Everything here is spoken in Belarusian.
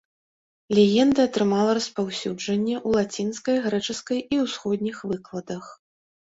Легенда атрымала распаўсюджанне у лацінскай, грэчаскай і ўсходніх выкладах.